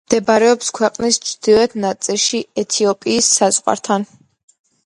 მდებარეობს ქვეყნის ჩრდილოეთ ნაწილში ეთიოპიის საზღვართან.